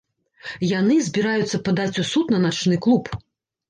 Яны збіраюцца падаць у суд на начны клуб.